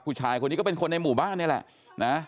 ผู้ชายคนนี้ก็เป็นคนในหมู่บ้านนี่แหละนะ